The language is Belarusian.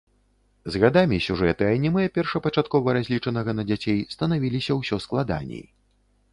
З гадамі сюжэты анімэ, першапачаткова разлічанага на дзяцей, станавіліся ўсё складаней.